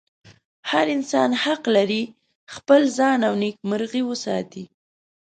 هر انسان حق لري خپل ځان او نېکمرغي وساتي.